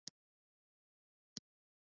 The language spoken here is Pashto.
د پکتیکا غنم د سویل مشهور فصل دی.